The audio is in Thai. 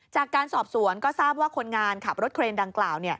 จากการสอบสวนก็ทราบว่าคนงานขับรถเครนดังกล่าว